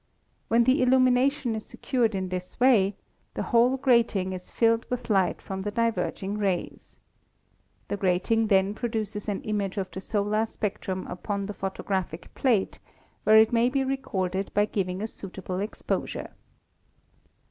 When the illu mination is secured in this way, the whole grating is filled with light from the diverging rays. The grating then pro duces an image of the solar spectrum upon the photo RISE OF ASTROPHYSICS 37 graphic plate, where it may be recorded by giving a suit able exposure.